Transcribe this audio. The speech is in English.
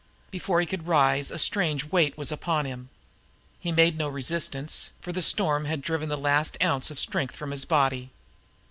Before he could rise a strange weight was upon him. He made no resistance, for the storm had driven the last ounce of strength from his body.